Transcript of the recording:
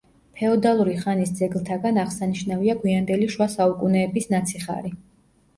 ფეოდალური ხანის ძეგლთაგან აღსანიშნავია გვიანდელი შუა საუკუნეების ნაციხარი.